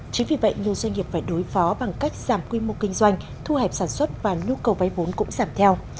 chính vì vậy nhiều doanh nghiệp phải đối phó bằng cách giảm quy mô kinh doanh thu hẹp sản xuất và nhu cầu vay vốn cũng giảm theo